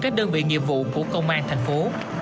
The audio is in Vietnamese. các đơn vị nghiệp vụ của công an thành phố